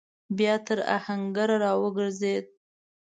بيا تر آهنګر راوګرځېد.